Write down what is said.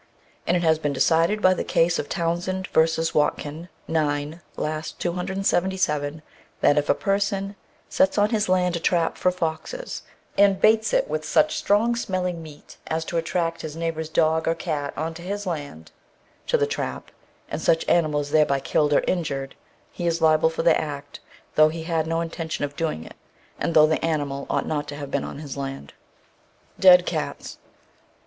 "And it has been decided by the case of 'Townsend v. Watken' 9 last 277, that if a person sets on his lands a trap for foxes, and baits it with such strong smelling meat as to attract his neighbour's dog or cat on to his land, to the trap, and such animal is thereby killed or injured, he is liable for the act, though he had no intention of doing it, and though the animal ought not to have been on his land." DEAD CATS.